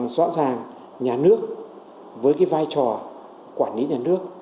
rõ ràng nhà nước với cái vai trò quản lý nhà nước